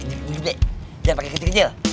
jangan pakai kecil kecil